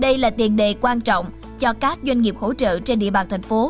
đây là tiền đề quan trọng cho các doanh nghiệp hỗ trợ trên địa bàn thành phố